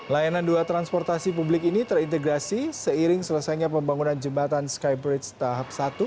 layanan dua transportasi publik ini terintegrasi seiring selesainya pembangunan jembatan skybridge tahap satu